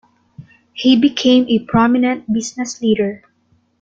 He became a prominent business leader.